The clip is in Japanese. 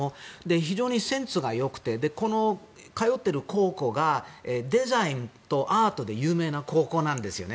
非常にセンスがよくてこの通っている高校がデザインとアートで有名な高校なんですよね。